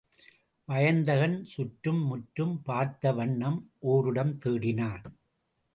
வயந்தகன் சுற்றும் முற்றும் பார்த்த வண்ணம் ஓரிடம் தேடினான்.